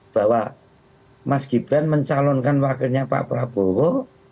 bahwa mas gibran mencalonkan wakilnya pak prabowo